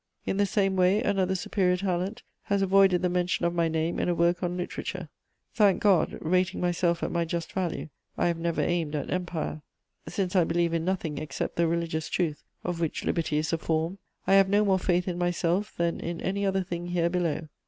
In the same way, another superior talent has avoided the mention of my name in a work on Literature. Thank God, rating myself at my just value, I have never aimed at empire; since I believe in nothing except the religious truth, of which liberty is a form, I have no more faith in myself than in any other thing here below.